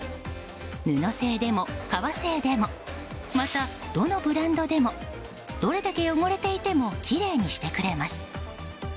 布製でも革製でもまたどのブランドでもどれだけ汚れていてもきれいにしてくれます。